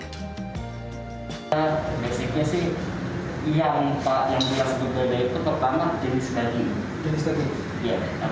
nah basicnya sih yang terakhir di belanda itu pertama jenis daging